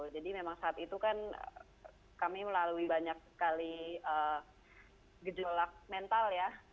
jadi memang saat itu kan kami melalui banyak sekali gejolak mental ya